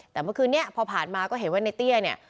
แต่เมื่อคืนนี้พอผ่านมาก็เห็นว่าในเตี้ยเนี่ย